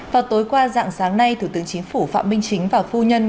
vào tối qua dạng sáng nay thủ tướng chính phủ phạm minh chính và phu nhân